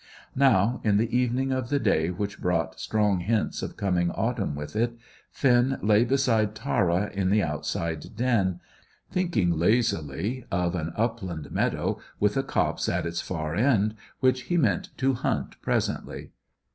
Now, in the evening of the day which brought strong hints of coming autumn with it, Finn lay beside Tara in the outside den, thinking lazily of an upland meadow, with a copse at its far end, which he meant to hunt presently.